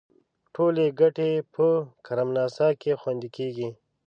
ټولې ګټې په کرم ناسا کې خوندي کیږي.